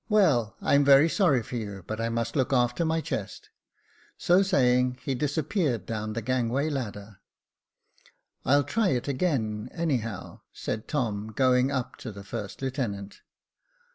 Well, I am very sorry for you, but I must look after my chest." So saying, he disappeared down the gangway ladder. " I'll try it again anyhow," said Tom, going up to the first lieutenant.